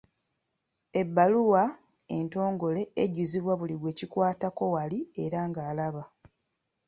Ebbaluwa entongole ejjuzibwa buli gwekikwatako waali era nga alaba.